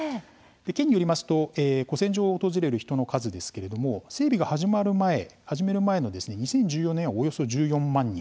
県によりますと、古戦場を訪れる人の数ですけれども整備が始める前の２０１４年はおよそ１４万人。